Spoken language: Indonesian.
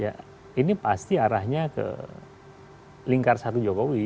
ya ini pasti arahnya ke lingkar satu jokowi